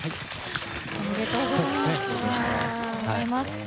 おめでとうございます！